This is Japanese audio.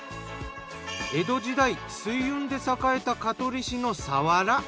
江戸時代水運で栄えた香取市のサワラ。